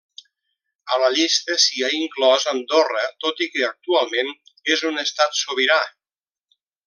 A la llista s'hi ha inclòs Andorra, tot i que actualment és un estat sobirà.